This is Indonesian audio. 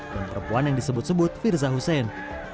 dan perempuan yang disebut sebut firza husein